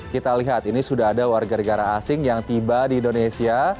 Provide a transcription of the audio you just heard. kita lihat ini sudah ada warga negara asing yang tiba di indonesia